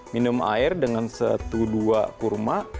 minum air dengan satu dua kurma